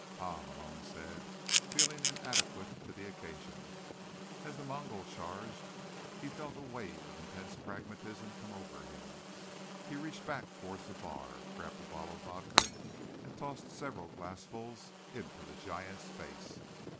"Ha!" Malone said, feeling inadequate to the occasion. As the Mongol charged, he felt a wave of intense pragmatism come over him. He reached back toward the bar, grabbed a bottle of vodka and tossed several glassfuls into the giant's face.